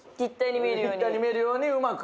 立体に見えるようにうまく。